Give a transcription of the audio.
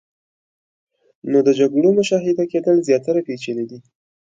نو د جګړو مشاهده کېدل زیاتره پیچلې دي.